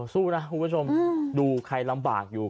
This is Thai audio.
สู้นะคุณผู้ชมดูใครลำบากอยู่